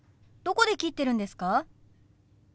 どこで切ってるんですか？